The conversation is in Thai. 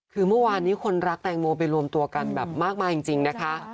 คือเมื่อวานนี้คนรักแตงโมไปรวมตัวกันแบบมากมายจริงนะคะ